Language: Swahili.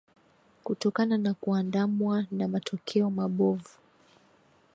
kutokana na kuandamwa na matokeo mabovu